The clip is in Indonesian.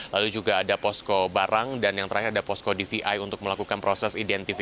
lalu juga ada posko barang dan yang terakhir ada posko dvi untuk melakukan proses identifikasi